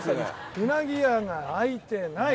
うなぎ屋が開いてない。